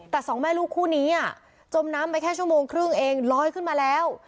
แต่สองแม่ลูกคู่นี้จมน้ำไปแค่ชั่วโมงครึ่งเองลอยขึ้นมาแล้ว